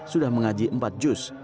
sudah mengaji empat jus